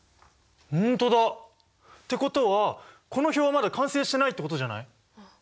本当だ！ってことはこの表はまだ完成してないってことじゃない？